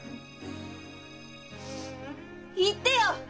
行ってよ！